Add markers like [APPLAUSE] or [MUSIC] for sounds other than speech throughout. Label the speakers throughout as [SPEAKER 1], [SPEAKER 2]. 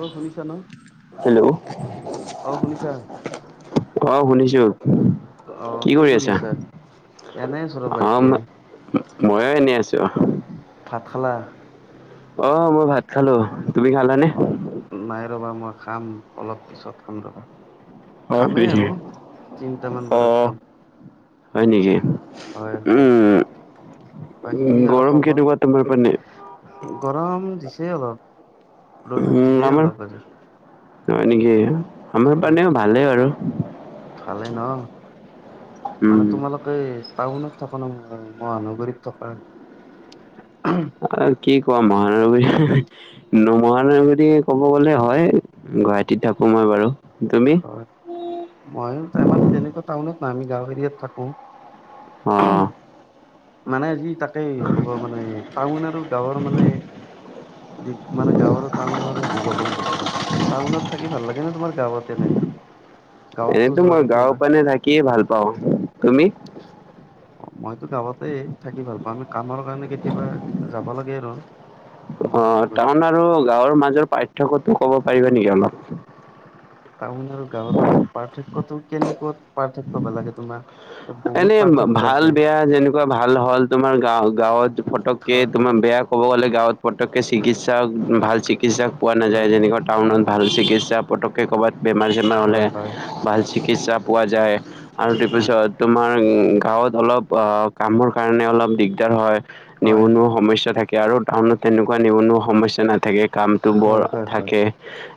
[SPEAKER 1] অ' শুনিছা ন'
[SPEAKER 2] হেল্ল'
[SPEAKER 1] অ' শুনিছা?
[SPEAKER 2] অ' শুনিছো, কি কৰি আছা।
[SPEAKER 1] এনে আছো ৰবা
[SPEAKER 2] অ
[SPEAKER 1] এতিয়া।
[SPEAKER 2] ময়ো এনেই আছো।
[SPEAKER 1] ভাত খালা।
[SPEAKER 2] অ' মই ভাত খালো। তুমি খালানে
[SPEAKER 1] অ' নাই ৰবা মই খাম, অলপ পিছত খাম ৰ'বা।
[SPEAKER 2] হয়
[SPEAKER 1] খামেই
[SPEAKER 2] নেকি
[SPEAKER 1] আৰু তিনিটামান
[SPEAKER 2] অ
[SPEAKER 1] বজাত খাম।
[SPEAKER 2] হয়, নেকি
[SPEAKER 1] হয় হয়
[SPEAKER 2] উম'।
[SPEAKER 1] বাকী আৰু
[SPEAKER 2] গৰম
[SPEAKER 1] খবৰ
[SPEAKER 2] কেনেকুৱা তোমাৰ পিনে
[SPEAKER 1] গৰম দিছে। অলপ ৰ'দ
[SPEAKER 2] উম
[SPEAKER 1] দিলেই
[SPEAKER 2] আমাৰ
[SPEAKER 1] অলপ আজি।
[SPEAKER 2] হয় নেকি, আমাৰ
[SPEAKER 1] হয়
[SPEAKER 2] পানে ভালেই বাৰু
[SPEAKER 1] ভালে ন মানে
[SPEAKER 2] উম
[SPEAKER 1] তোমালোকেই টাউনত থকা নে মহানগৰীত থকা।
[SPEAKER 2] আৰু কি কোৱা মহানগৰী ন মহানগৰী ক'ব গলে হয় গুৱাহাটীত থাকো মই বাৰু। তুমি
[SPEAKER 1] হয়, তাৰমানে তেনেকুৱা টাউনত নাই, আমি গাঁও এৰিয়াত থাকো।
[SPEAKER 2] অ
[SPEAKER 1] মানে আজি তাকে ক'ব মানে টাউন আৰু গাঁৱৰ মানে মানে গাঁৱৰ আৰু টাউন আৰু হেৰি ক'ব খুজিছো মানে টাউনত থাকি ভাল লাগে ন তোমাৰ গাঁৱতে থাকি? [INAUDIBLE]
[SPEAKER 2] এনেতো মই গাঁও পানে থাকিয়ে ভাল পাওঁ, তুমি?
[SPEAKER 1] মইতো গাঁৱতেই থাকি ভাল পাওঁ, আমি কামৰ কাৰণে কেতিয়াবা যাব লাগে আৰু
[SPEAKER 2] অ'
[SPEAKER 1] মহানগৰী
[SPEAKER 2] টাউন আৰু গাঁৱৰ মাজৰ পাৰ্থক্যটো ক'ব পাৰিবা নেকি অলপ।
[SPEAKER 1] টাউন আৰু গাঁৱৰ মাজত পাৰ্থক্যতো কেনেকুৱা পাৰ্থক্য লাগে তোমাক। অ'। [INAUDIBLE]
[SPEAKER 2] এনে ভাল, বেয়া যেনেকুৱা ভাল হ'ল তোমাৰ গাঁৱ গাঁৱত ফটকে
[SPEAKER 1] হয় হয়
[SPEAKER 2] তোমাৰ বেয়া খ গলে গাঁৱত পতকে চিকিৎসা ভাল চিকিৎসা চিকিৎসা পোৱা নাযায়, যেনেকা
[SPEAKER 1] হয়
[SPEAKER 2] টাউনত ভাল চিকিৎসা পটককৈ ক'ৰবাত বেমাৰ-চেমাৰ
[SPEAKER 1] হয়
[SPEAKER 2] হ'লে
[SPEAKER 1] হয়
[SPEAKER 2] ভাল
[SPEAKER 1] হয়
[SPEAKER 2] চিকিৎসা পোৱা যায়। আৰু
[SPEAKER 1] হয়
[SPEAKER 2] তাৰপিছত তোমাৰ গাঁৱত অলপ অ' কামৰ কাৰণে অলপ দিগদাৰ হয়।
[SPEAKER 1] হয় হয়
[SPEAKER 2] নিবনুৱা
[SPEAKER 1] হয়
[SPEAKER 2] সমস্যা থাকে আৰু টাউনত তেনেকুৱা নিবনুৱা সমস্যা নাথাকে। কামটো বৰ
[SPEAKER 1] হয় হয় হয়
[SPEAKER 2] থাকে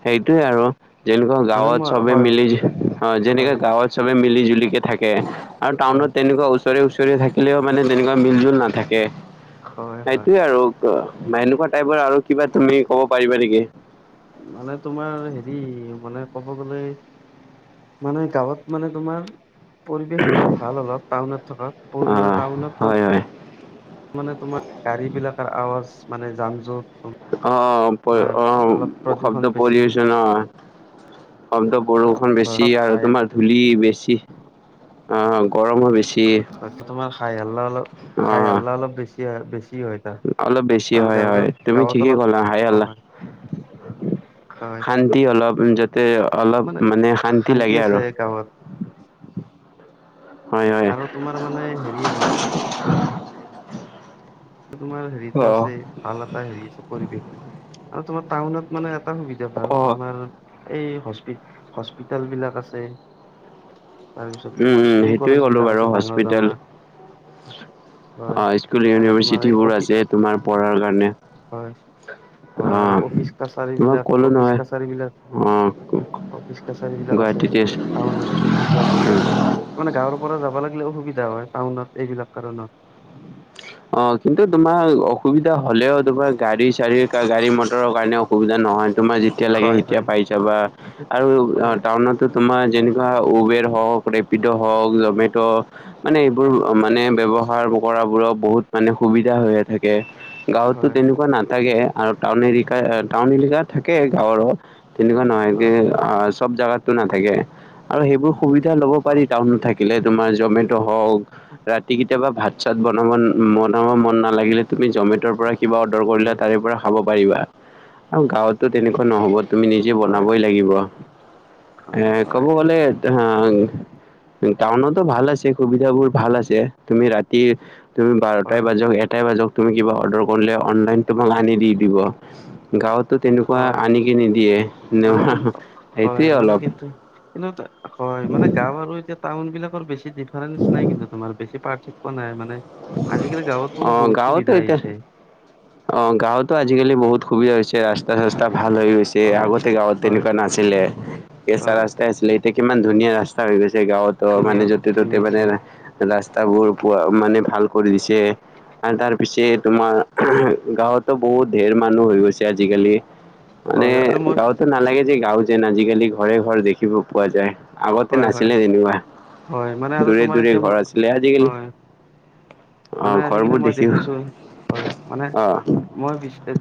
[SPEAKER 2] সেইটোৱে আৰু যেনেকুৱা
[SPEAKER 1] মানে
[SPEAKER 2] গাঁৱত
[SPEAKER 1] মই
[SPEAKER 2] চবে
[SPEAKER 1] হয়
[SPEAKER 2] মিলি অ' যেনেকাে
[SPEAKER 1] হয়
[SPEAKER 2] গাঁৱত চবে মিলি জুলিকে থাকে আৰু
[SPEAKER 1] হয়
[SPEAKER 2] টাউনত তেনেকুৱা ওচৰে-ওচৰি থাকিলেও মানে তেনেকুৱা মিল-জুল নাথাকে
[SPEAKER 1] হয় হয়
[SPEAKER 2] সেইটোৱে আৰু বা এনেকুৱা টাইপৰ আৰু কিবা তুমি ক'ব পাৰিবা নেকি?
[SPEAKER 1] মানে তোমাৰ হেৰি মানে ক মানে গাঁৱত মানে তোমাৰ পৰিবেশ বিলাক ভাল অলপ টাউনত থকা
[SPEAKER 2] অ
[SPEAKER 1] সৰু সৰু টাউনত।
[SPEAKER 2] হয় হয়
[SPEAKER 1] মানে তোমাৰ গাড়ী বিলাকৰ আৱাজ মানে যান জট।
[SPEAKER 2] অ অ অশুদ্ধ
[SPEAKER 1] প্ৰদূষণ বেছি
[SPEAKER 2] পলিউচন অশুদ্ধ। বৰষুণ বেছি আৰু
[SPEAKER 1] খাই
[SPEAKER 2] তোমাৰ ধূলি বেছি অ গৰমো বেছি।
[SPEAKER 1] তাৰ তোমাৰ হাই হাল্লা অলপ
[SPEAKER 2] অ
[SPEAKER 1] হাই হাল্লা অলপ বেছি হয় বেছি। হয় তাত
[SPEAKER 2] অলপ বেছি
[SPEAKER 1] কাৰণ
[SPEAKER 2] হয় হয়
[SPEAKER 1] গাঁৱত
[SPEAKER 2] তুমি
[SPEAKER 1] গাঁৱত
[SPEAKER 2] ঠিকেই
[SPEAKER 1] অলপ
[SPEAKER 2] কলা হাই
[SPEAKER 1] অ
[SPEAKER 2] আল্লাহ।
[SPEAKER 1] হয় হয়
[SPEAKER 2] শান্তি অলপ। অলপ মানে শান্তি লাগে
[SPEAKER 1] আছে
[SPEAKER 2] আৰু।
[SPEAKER 1] গাঁৱত
[SPEAKER 2] হয় হয়।
[SPEAKER 1] আৰু তোমাৰ মানে হেৰি আৰু। তোমাৰ হেৰিতটো
[SPEAKER 2] অ',
[SPEAKER 1] আছে ভাল এটা হেৰি আছে পৰিৱেশ আৰু তোমাৰ টাউনত মানে। সুবিধা ভাল
[SPEAKER 2] অ'।
[SPEAKER 1] তোমাৰ। এই হস্পি হস্পিতেল বিলাক আছে। তাৰপিছত
[SPEAKER 2] উম,
[SPEAKER 1] তোমাৰ
[SPEAKER 2] উম,
[SPEAKER 1] স্কুল
[SPEAKER 2] সেইটোয়ে
[SPEAKER 1] কলেজ
[SPEAKER 2] ক'লো
[SPEAKER 1] বিলাক
[SPEAKER 2] বাৰু
[SPEAKER 1] আছে ডাঙৰ
[SPEAKER 2] হস্পিতেল
[SPEAKER 1] ডাঙৰ। হয়।
[SPEAKER 2] অ স্কুল
[SPEAKER 1] আৰু তোমাৰ
[SPEAKER 2] ইউনিভাৰচিটি।
[SPEAKER 1] এই অফিচ
[SPEAKER 2] আছে তোমাৰ পঢ়াৰ কাৰণে।
[SPEAKER 1] হয় হয় আৰু
[SPEAKER 2] অ'।
[SPEAKER 1] অফিচ কাছাৰী
[SPEAKER 2] তোমাক
[SPEAKER 1] বিলাক
[SPEAKER 2] ক'লো
[SPEAKER 1] অফিচ
[SPEAKER 2] নহয়
[SPEAKER 1] কাছাৰী
[SPEAKER 2] অ',
[SPEAKER 1] বিলাক। অফিচ কাছাৰী বিলাক আছে
[SPEAKER 2] গুৱাহাটীতে
[SPEAKER 1] টাউনত গুৱাহাটীতে আছে। মানে গাঁৱৰ পৰা যাব লাগিলে অসুবিধা হয় টাউনত এইবিলাক কাৰণত।
[SPEAKER 2] অ কিন্তু তোমাৰ অসুবিধা হলেও তোমাৰ গাড়ী চাাৰ়ীৰ গাড়ী মটৰৰ কাৰণে অসুবিধা নহয়। তোমাৰ যেতিয়া লাগে
[SPEAKER 1] হয়
[SPEAKER 2] তেতিয়া
[SPEAKER 1] হয়
[SPEAKER 2] পাই চাবা আৰু অ
[SPEAKER 1] হয়
[SPEAKER 2] টাউনতো। তোমাৰ যেনেকুৱা উবেৰ হওক ৰেপিড' হওক জমেট'। মানে এইবোৰ
[SPEAKER 1] হয়
[SPEAKER 2] মানে ব্যৱ্হাৰ কৰাবোৰত বহুত মানে সুবিধা হৈয়ে থাকে। গাঁৱতো
[SPEAKER 1] হয়
[SPEAKER 2] তেনেকুৱা নাথাকে আৰু টাউন এৰিকা টাউন এৰিকা থাকে গাঁৱৰৰ তেনেকুৱা নহয় এক
[SPEAKER 1] হয়
[SPEAKER 2] অ চব জেগাতটো নাথাকে আৰু সেইবোৰ সুবিধা লব পাৰি
[SPEAKER 1] হয়
[SPEAKER 2] টাউনত থাকে। থাকিলে তোমাৰ জমেট' হওঁক ৰাতি কেতিয়াবা ভাত চাত বনাব। মন মন নালাগিলে তুমি জমেটৰ পৰা কিবা অৰ্ডাৰ কৰিলো তাৰে পৰা খাব। পাৰিবা আৰু গাঁৱতো তেনেকুৱা নহব তুমি নিজে
[SPEAKER 1] হয়
[SPEAKER 2] বনাবই লাগিব। এ
[SPEAKER 1] হয়
[SPEAKER 2] ক'ব
[SPEAKER 1] হয়
[SPEAKER 2] গ'লে অ। উ টাউনতো ভাল আছে সুবিধ বোৰ ভাল আছে তুমি ৰাতি। তুমি বাৰটাই
[SPEAKER 1] হয়
[SPEAKER 2] বাজাক এটাই বাজাক। তুমি কিবা অৰ্ডাৰ কৰিলে অনলাইন তোমাক আনি দি দিব গাঁৱত। তো তেনেকুৱা
[SPEAKER 1] হয়
[SPEAKER 2] আনিকে নিদিয়ে ন
[SPEAKER 1] মানে তুম হয়
[SPEAKER 2] সেইটোয়ে
[SPEAKER 1] মানে
[SPEAKER 2] অলপ।
[SPEAKER 1] কিন্তু কিন্তু হয় মানে গাঁও আৰু এতিয়া। টাউন বিলাকৰ বেছি ডিফাৰেন্ঞ্চ নাই কিন্তু তোমাৰ বেছি পাৰ্থক্য নাই মানে। আজিকালি গাঁৱতো
[SPEAKER 2] অঁ
[SPEAKER 1] বহুত
[SPEAKER 2] গাঁৱতো
[SPEAKER 1] সুবিধা
[SPEAKER 2] এতিয়া
[SPEAKER 1] আহিছে।
[SPEAKER 2] অ গাঁৱতো আজিকালি বহুত সুবিধা হৈছে ৰাস্তা। ৰাস্তা ভাল হৈ গৈছে
[SPEAKER 1] হয় হয়
[SPEAKER 2] আগতে গাঁৱত
[SPEAKER 1] হয়
[SPEAKER 2] তেনেকুৱা নাছিলে, কেঁচা
[SPEAKER 1] হয়,
[SPEAKER 2] ৰাস্তা আছিলে। এতিয়া কিমান ধুনীয়া ৰাস্তা হৈ গৈছে। যে গাঁৱতো
[SPEAKER 1] ধুনীয়া
[SPEAKER 2] মানে য'তে ত'তে
[SPEAKER 1] ধুনীয়া
[SPEAKER 2] মানে
[SPEAKER 1] হৈছে
[SPEAKER 2] ৰাস্তাবোৰ পোৱা মানে ভাল কৰি দিছে। আৰু তাৰ পিছে তোমাৰ গাঁৱতো বহুত ধঢেৰ মানুহ হৈ গৈছে আজিকালি। মানে
[SPEAKER 1] হয় আৰু মই
[SPEAKER 2] গাঁৱতো নালাগে যে গাঁও যেন আজিকালি ঘৰে ঘৰ দেখিব পোৱা যায়। আগতে
[SPEAKER 1] হয় হয়
[SPEAKER 2] নাছিলে যেনিবা
[SPEAKER 1] হয় মানে আৰু
[SPEAKER 2] দূৰে
[SPEAKER 1] তোমাৰ
[SPEAKER 2] দূৰে
[SPEAKER 1] এতিয়া মই
[SPEAKER 2] ঘৰ আছিলে আজিকালি।
[SPEAKER 1] হয়
[SPEAKER 2] অ
[SPEAKER 1] মানে আজিকালি
[SPEAKER 2] ঘৰবোৰ
[SPEAKER 1] মই
[SPEAKER 2] দেখিও
[SPEAKER 1] দেখিছো হয় মানে
[SPEAKER 2] অ
[SPEAKER 1] মই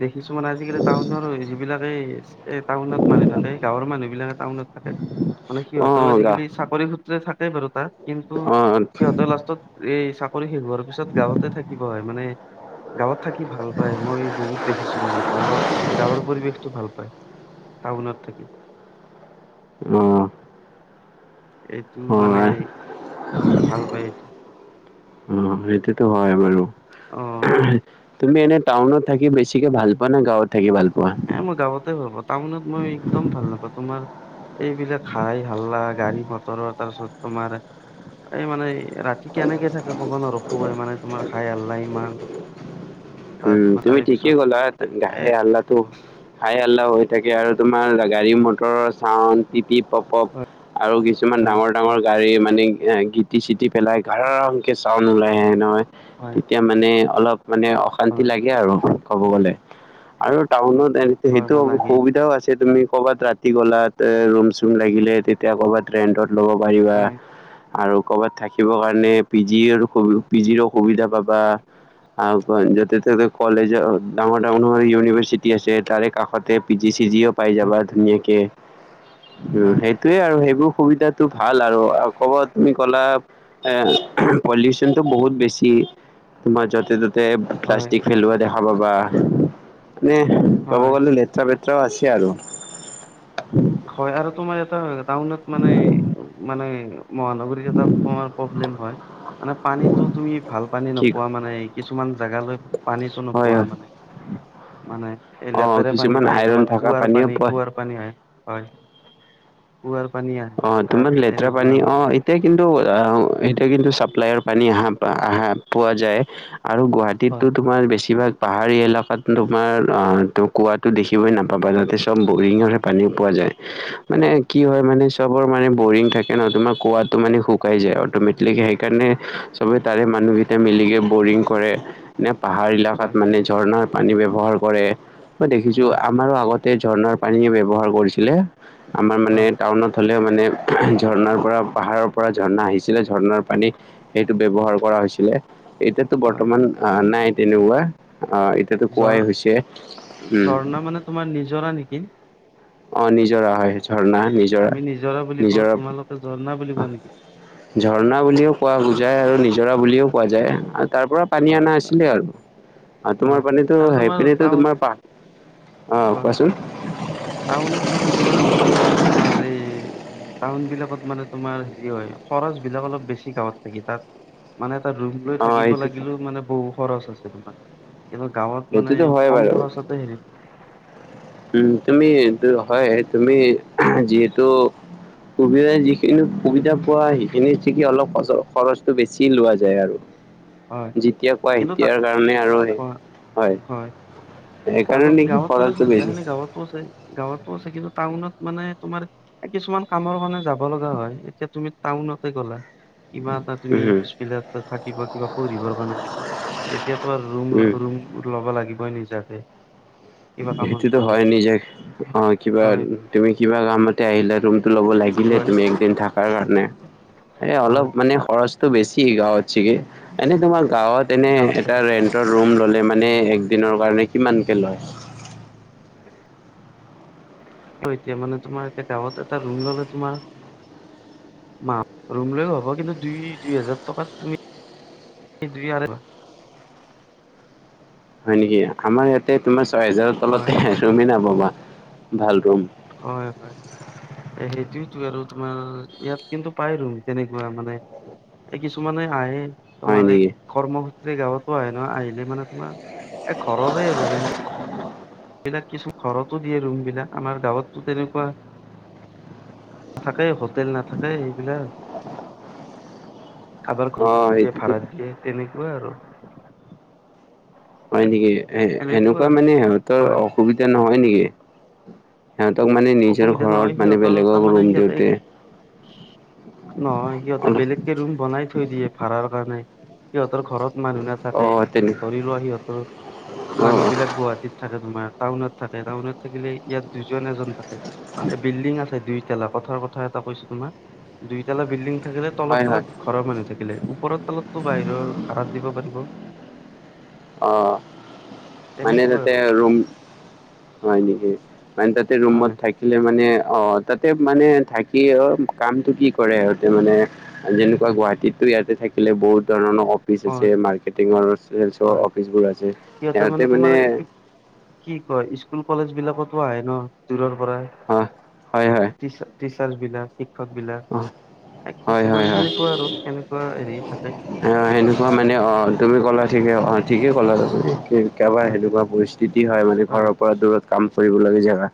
[SPEAKER 1] দেখিছো মানে আজিকালি টাউনৰ যিবিলাকে এ টাউনত মানুহ থাকে, গাঁৱৰ মানুহ বিলাকে টাউনত থাকে মানে
[SPEAKER 2] অ
[SPEAKER 1] সিহত
[SPEAKER 2] গা
[SPEAKER 1] আজিকালি চাকৰি সূত্ৰে থাকে বাৰু তাক কিন্তু
[SPEAKER 2] অ
[SPEAKER 1] সিহঁতৰ লাষ্টত এই চা ঘৰ পিছত গাঁৱতে থাকিব হয় মানে গাঁৱত থাকি ভাল পাই, মই বহুত দেখিছো মানে গাঁৱত গাঁৱৰ পৰিৱেশটো ভাল পায়। টাউনত থাকি।
[SPEAKER 2] অ।
[SPEAKER 1] এইটো মানে
[SPEAKER 2] হয়
[SPEAKER 1] ভাল পায় এইটো
[SPEAKER 2] অ সেইটোটো হয় বাৰু।
[SPEAKER 1] অ
[SPEAKER 2] তুমি এনে টাউনত থাকি বেছিকে ভাল পোৱা নে গাঁৱত থাকি ভাল পোৱা?
[SPEAKER 1] এ মই গাঁৱতে ভাল পাও। টাউনত মই একদম ভাল নাপাওঁ তোমাৰ এইবিলাক হাই হাল্লা, গাড়ী মটৰৰ তাৰপিছত তোমাৰ এই মানে ৰাতি কেনেকে থাকে কব নোৱাৰো, হয় মানে তোমাৰ খাই হাল্লাহ ইমান। তাত
[SPEAKER 2] উম তুমি
[SPEAKER 1] তাৰে
[SPEAKER 2] ঠিকেই
[SPEAKER 1] পিছত
[SPEAKER 2] গ'লা
[SPEAKER 1] এ
[SPEAKER 2] গাহে হাল্লাটো হাই হাল্লা হৈ থাকে আৰু তোমাৰ গাড়ী মটৰৰ ছাউণ্ড পিপ পিপ পপ পপ।
[SPEAKER 1] হয়
[SPEAKER 2] আৰু কিছুমান ডাঙৰ ডাঙৰ গাড়ী মানে গিটি চিটি পেলাই ঘাৰংকে ছাউণ্ড ওলাই আহে নহয়,
[SPEAKER 1] হয়
[SPEAKER 2] তেতিয়া মানে অলপ মানে অশান্তি
[SPEAKER 1] হয়
[SPEAKER 2] লাগে আৰু। ক'ব গ'লে আৰু টাউনত এ
[SPEAKER 1] হয়
[SPEAKER 2] সেইটো
[SPEAKER 1] ভাল লাগে
[SPEAKER 2] সুবিধাও আছে তুমি কবাত ৰাতি গলাত ৰুম চুম লাগিলে তেতিয়া কৰবাত ৰেণ্টত ল'ব পাৰিবা।
[SPEAKER 1] হয়,
[SPEAKER 2] আৰু কৰবাত থাকিব কাৰণে পি জিৰ পি জিৰো সুবিধা পাবা। আৰু যতে -ততে কলেজ ডাঙৰ ডাঙৰৰ ইউনিভাৰ্চিটি আছে, তাৰে কাষতে পি জি চি জিও পাই যাবা ধুনীয়াকে।
[SPEAKER 1] হয়,
[SPEAKER 2] উম সেইটোয়ে আৰু সেইবোৰ সুবিধাটো ভাল আৰু ক'ব তুমি কলা এ পলিউচনটো বহুত বেছি। তোমাৰ য'তে ত'তে প্লাচ
[SPEAKER 1] হয়,
[SPEAKER 2] দেখা পাবা। এনে কব
[SPEAKER 1] হয়,
[SPEAKER 2] গলে লেতেৰা- বেতেৰাও আছে আৰু।
[SPEAKER 1] হয় আৰু তোমাৰ এটা টাউনত মানে মানে মহানগৰীত এটা আমাৰ প্ৰব্লেম হয়। মানে পানীটো তুমি ভাল পানী
[SPEAKER 2] কি
[SPEAKER 1] নোপোৱা মানে কিছুমান জাগালৈ পানীটো
[SPEAKER 2] হয়
[SPEAKER 1] নোপোৱা
[SPEAKER 2] হয়
[SPEAKER 1] মানে। মানে এই
[SPEAKER 2] অ
[SPEAKER 1] লেতেৰা পানী
[SPEAKER 2] কিছুমান
[SPEAKER 1] পায়,
[SPEAKER 2] আইৰন
[SPEAKER 1] তোমাৰ
[SPEAKER 2] থকা
[SPEAKER 1] কুঁৱাৰ
[SPEAKER 2] পানীও
[SPEAKER 1] পানী
[SPEAKER 2] পোৱা
[SPEAKER 1] কুৱাৰ পানী হয়, হয় কুঁৱাৰ পানী আহে
[SPEAKER 2] অ
[SPEAKER 1] তাত
[SPEAKER 2] তোমাৰ লেতেৰা
[SPEAKER 1] তেনেকুৱা
[SPEAKER 2] পানী অ।
[SPEAKER 1] মানে
[SPEAKER 2] এতিয়া কিন্তু আহ এতিয়া কিন্তু ছাপ্লাইৰ পানী আহা আহা পোৱা যায় আৰু গুৱাহাটীততো
[SPEAKER 1] হয়,
[SPEAKER 2] তোমাৰ বেছিভাগ পাহাৰী এলেকাত তোমাৰ অ ত কুৱাটো দেখিবই নাপাবা যাতে- ম বৰিঙৰ
[SPEAKER 1] হয়,
[SPEAKER 2] পানীও পোৱা যায়। মানে কি হয় মানে চবৰ বৰিং থাকে ন। তোমাৰ কুৱাটো মানে শুকাই যায়, অটমেটিক। সেইকাৰণে চবে তাৰে মানুহ তা মিলিকৈ বৰিং কৰে। নে পাহাৰ এলেকাত
[SPEAKER 1] হয়,
[SPEAKER 2] মানে ঝৰণৰ পানী ব্যৱহাৰ কৰে। মই দেখিছো
[SPEAKER 1] হয়,
[SPEAKER 2] আমাৰো আগতে ঝৰ্ণাৰ পানীয়ে ব্যৱহাৰ কৰিছিলে। আমাৰ মানে
[SPEAKER 1] হয়,
[SPEAKER 2] টাউনত হ'লেও মানে ঝৰ্ণাৰ পৰা পাহাৰৰ পৰা ঝৰ্ণা আহিছিলে, ঝৰ্ণাৰ পানী সেইটো ব্যৱহাৰ কৰা হৈছিলে। এতিয়াতো
[SPEAKER 1] হয়,
[SPEAKER 2] বৰ্তমান আহ নাই তেনেকুৱা। আহ এতিয়াতো
[SPEAKER 1] ঝৰ
[SPEAKER 2] কুৱাই হৈছে উম।
[SPEAKER 1] ঝৰ্ণা মানে তোমাৰ নিজৰা নেকি?
[SPEAKER 2] আহ নিজৰা হয়, ঝৰ্ণা নিজৰা
[SPEAKER 1] আমি বুলি কওঁ
[SPEAKER 2] নিজৰা
[SPEAKER 1] তোমালোকে ঝৰ্ণা বুলি
[SPEAKER 2] আহ।
[SPEAKER 1] কোৱা নেকি?
[SPEAKER 2] ঝৰ্ণা বুলিও কোৱা বুজায় আৰু নিজৰা বুলিও কোৱা যায়। তাৰ পৰা পানী
[SPEAKER 1] হয়,
[SPEAKER 2] অনা আছিলে আৰু। তোমাৰ
[SPEAKER 1] হয়
[SPEAKER 2] পানীটো
[SPEAKER 1] আৰু তোমাৰ
[SPEAKER 2] সেইপিনো
[SPEAKER 1] টাউন
[SPEAKER 2] তোমাৰ পাহ আহ
[SPEAKER 1] হয়
[SPEAKER 2] কোৱাচোন।
[SPEAKER 1] টাউনত মানে তোমাৰ এই তোমাৰ এই টাউন বিলাকত মানে তোমাৰ হেৰি হয়। খৰচবিলাক অলপ বেছি, গাঁৱত থাকি তাত মানে তটা ৰুম লৈ
[SPEAKER 2] অঁ
[SPEAKER 1] থাকিব
[SPEAKER 2] এইটো
[SPEAKER 1] লাগিলেও মানে বহু খৰচ আছে তোমাৰ। কিন্তু গাঁৱত মানে
[SPEAKER 2] সেইটোতো হয়
[SPEAKER 1] কম
[SPEAKER 2] বাৰু
[SPEAKER 1] খৰচতে হেৰি।
[SPEAKER 2] উম তুমি হয়। তুমি যিহেতু সুবিধা যিখিনি সুবিধা পোৱা সেইখিনি থিকে, অলপ খৰচটো বেছি লোৱা যায় আৰু।
[SPEAKER 1] হয়
[SPEAKER 2] যেতিয়া কোৱা
[SPEAKER 1] কিন্তু তাত
[SPEAKER 2] তেতিয়াৰ কাৰণে আৰু
[SPEAKER 1] হয়
[SPEAKER 2] হয়।
[SPEAKER 1] আৰু
[SPEAKER 2] এইকাৰণে নেকি
[SPEAKER 1] গাঁৱত মানে
[SPEAKER 2] খৰচটো বেছি।
[SPEAKER 1] সুবিধাখিনি গাঁৱতো গাঁৱতো আছে। কিন্তু টাউনত মানে তোমাৰ কিছুমান কামৰ কাৰণে যাব লগা হয়। এতিয়া টাউনতে গলা, কিবা এটা তুমি
[SPEAKER 2] উম
[SPEAKER 1] হস্পিতাল ত থাকিব দিয়া দৰকাৰ গৈ তেতিয়াতো আৰু ৰুম
[SPEAKER 2] উম
[SPEAKER 1] ৰুম ল'ব লাগিবই নিজাকে। কিবা কামত
[SPEAKER 2] সেইটোতো
[SPEAKER 1] গ'লে
[SPEAKER 2] হয়। নিজে অ কিবা
[SPEAKER 1] হয়
[SPEAKER 2] তুমি কিবা কামতে আহিলা, ৰুমটো ল'ব লাগিলে
[SPEAKER 1] হয়
[SPEAKER 2] তুমি একদিন থকাৰ কাৰণে। এ অলপ
[SPEAKER 1] হয়
[SPEAKER 2] মানে খৰচটো বেছি গাঁৱত, এনে তোমাৰ গাঁৱত এনে
[SPEAKER 1] গাঁৱত
[SPEAKER 2] এটা
[SPEAKER 1] থাকে
[SPEAKER 2] ৰেন্টৰৰুম ললে মানে এক দিনৰ কাৰণে কিমানকে লয়?
[SPEAKER 1] [UNINTELLIGIBLE] ত, এতিয়া মানে তোমাৰে গাঁৱত এটা ৰুম ললে তোমাৰ মা ৰুম লৈও হ'ব। কিন্তু, দুই দুই হোজাৰ টকাত তুমি জ আ
[SPEAKER 2] হয় নেকি? আমাৰ ইয়াতে তোমাৰ ছয় হেজাৰৰ
[SPEAKER 1] হয়
[SPEAKER 2] তলতে ৰুমেই নাপাবা, ভাল ৰুম।
[SPEAKER 1] হয়, হয়। সেইটোযেতো আৰু তোমাৰ ইয়াত কিন্তু পাই ৰম তেনেকুৱা মানে। এই কিছুমানে হাঁহে,
[SPEAKER 2] হয়
[SPEAKER 1] তোমাৰ এই
[SPEAKER 2] নেকি
[SPEAKER 1] কৰ্মক্ষেত্ৰে গাঁৱতো আহে নহয়, আহিলে মানে তোমাৰ এ, ঘৰৰে আৰু ৰুম বিলাক কিছু ঘৰতো দিয়ে ৰুম বিলাক আমাৰ গাঁৱতো তেনেকুৱা নাথাকে, হোটেল নাথাকে এইবিলাক। কাৰোবাৰ
[SPEAKER 2] অ
[SPEAKER 1] ঘৰত দিয়ে
[SPEAKER 2] সেইটোতো
[SPEAKER 1] ভাড়া দিয়ে তেনেকুৱা আৰু।
[SPEAKER 2] হয় নেকি? এ, এনেকুৱা মানে সিহঁতৰ
[SPEAKER 1] হয়
[SPEAKER 2] অসুবিধা নহয় নেকি? সিহঁত মানে নিজৰ
[SPEAKER 1] অসুবিধা নহয়
[SPEAKER 2] ঘৰত মানে
[SPEAKER 1] সিহঁতৰ
[SPEAKER 2] বেলেগক
[SPEAKER 1] তাৰমানে
[SPEAKER 2] ৰুম
[SPEAKER 1] সিহঁতে এক
[SPEAKER 2] দিওঁতে।
[SPEAKER 1] নহয় সিহঁতে
[SPEAKER 2] অলপ
[SPEAKER 1] বেলেগকে ৰুম বনাই থৈ দিয়ে। ভাড়াৰ কাৰণে সিহঁতে। সিহঁতৰ ঘৰত মানুহ
[SPEAKER 2] অ
[SPEAKER 1] নাথাকে,
[SPEAKER 2] তেনে
[SPEAKER 1] ধৰি লোৱা সিহঁতৰ
[SPEAKER 2] অ
[SPEAKER 1] মানুহ বিলাক গুৱাহাটীত থাকে তোমাৰ। টাউনত থাকে, টাউনত থাকিলে ইয়াত দুজন এজন থাকে। এ বিল্ডিং আছে দুই দুইালা কথাৰ কথা এটা কৈছো তোম দুইতালা বিল্ডিং। থাকিলে,
[SPEAKER 2] হয়
[SPEAKER 1] তলত
[SPEAKER 2] হয়
[SPEAKER 1] তলত ঘৰৰ মানুহ থাকিলে, ওপৰ তলতো বাহিৰৰ ভাৰাত দিব পাৰিব।
[SPEAKER 2] অঁ। মানে
[SPEAKER 1] তেনেকুৱা
[SPEAKER 2] তাতে
[SPEAKER 1] আৰু
[SPEAKER 2] ৰুম হয় নেকি? মানে তাতে ৰুমত
[SPEAKER 1] হয়
[SPEAKER 2] থাক থাকিলে মানে অ' তাতে মানে থাকি অ কামটো কি কৰে সহতে মানে, যেনে গুৱাহাটীতো ইয়াতে থাকিলে বহুত ধৰণৰ অফিচ আছে
[SPEAKER 1] হয়
[SPEAKER 2] মাৰ্কেটিঙৰ
[SPEAKER 1] হয়
[SPEAKER 2] অফিচবোৰ আছে
[SPEAKER 1] সিহঁতে
[SPEAKER 2] সিহতে
[SPEAKER 1] তোমাৰ
[SPEAKER 2] মানে-
[SPEAKER 1] কি কি কয় স্কুল কলেজ বিলাকতো আহে ন দূৰৰ পৰা
[SPEAKER 2] অ হয় হয়
[SPEAKER 1] টিচাৰ্চ বিলাক।
[SPEAKER 2] অ
[SPEAKER 1] বিলাক।
[SPEAKER 2] হয় হয়
[SPEAKER 1] কিছুমান
[SPEAKER 2] হয়
[SPEAKER 1] সেনেকুৱা আৰু সেনেকুৱা হেৰি থাকে।
[SPEAKER 2] এনেকুৱা মানে অঁ, তুমি ক'লা ঠিকে অঁ ঠিকেই ক'লা তুমি। কেতিয়াবা
[SPEAKER 1] হয়
[SPEAKER 2] সেনেকুৱা পৰিস্থিতি হয়, মানে ঘৰৰ পৰা দূৰত কাম কৰিব লাগে জেগা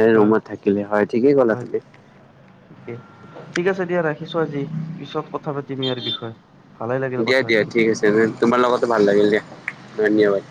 [SPEAKER 2] এ
[SPEAKER 1] হয়
[SPEAKER 2] ৰুমত থাকিলে হয়, ঠিকেই কলা
[SPEAKER 1] হয়
[SPEAKER 2] তুমি।
[SPEAKER 1] ঠিক আছে দিয়া, ৰাখিছো আজি। পিছত কথা পাতিম ইয়াৰ বিষয়ে। ভালে লাগিল
[SPEAKER 2] দিয়া
[SPEAKER 1] কথা
[SPEAKER 2] দিয়া
[SPEAKER 1] পাতি
[SPEAKER 2] ঠিক
[SPEAKER 1] তোমাৰ
[SPEAKER 2] আছে, তোমাৰ লগতো ভাল লাগিল দিয়া,
[SPEAKER 1] দিয়া
[SPEAKER 2] ধন্যবাদ।